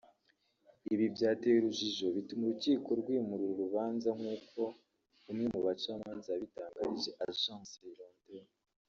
Ibi byateje urujijo bituma urukiko rwimura uru rubanza nk’uko umwe mu bacamanza yabitangarije Agence Hirondelle